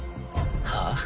はあ？